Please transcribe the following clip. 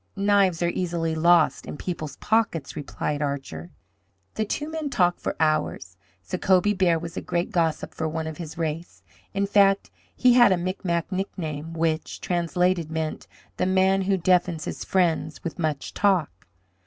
"Knives are easily lost in people's pockets," replied Archer. The two men talked for hours. Sacobie Bear was a great gossip for one of his race. In fact, he had a Micmac nickname which, translated, meant "the man who deafens his friends with much talk."